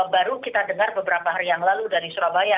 baru kita dengar beberapa hari yang lalu dari surabaya